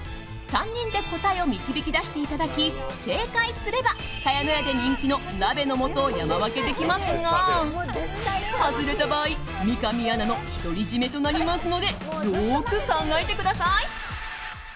３人で答えを導き出していただき正解すれば茅乃舎で人気の鍋の素を山分けできますが外れた場合、三上アナの独り占めとなりますのでよく考えてください。